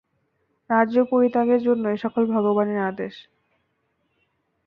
রাজ্য-পরিত্যাগের জন্য এ-সকল ভগবানের আদেশ।